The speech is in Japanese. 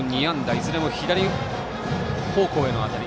いずれも左方向への当たり。